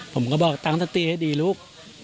ผมก็บอกตั้งสติให้ดีลูก